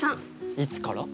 いつから？